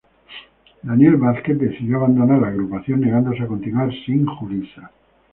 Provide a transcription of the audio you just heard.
Daniel Vázquez decidió abandonar la agrupación negándose a continuar sin Julissa.